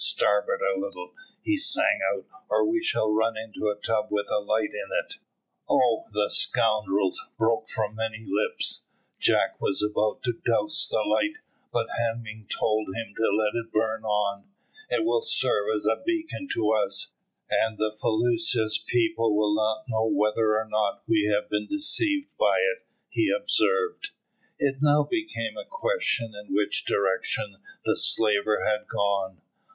Starboard a little," he sang out, "or we shall run into a tub with a light in it." "Oh, the scoundrels!" broke from many lips. Jack was about to douse the light, but Hemming told him to let it burn on. "It will serve as a beacon to us, and the felucca's people will not know whether or not we have been deceived by it," he observed. It now became a question in which direction the slaver had gone.